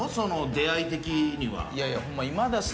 出会い的には。